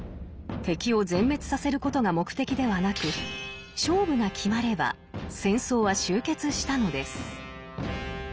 敵を全滅させることが目的ではなく勝負が決まれば戦争は終結したのです。